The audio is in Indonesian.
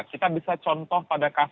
kita bisa contoh pada kasus